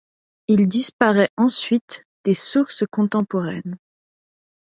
Il disparaît ensuite des sources contemporaines.